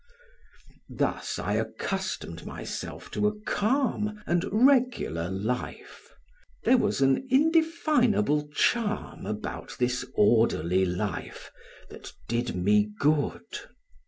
Thus I accustomed myself to a calm and regular life; there was an indefinable charm about this orderly life that did me good.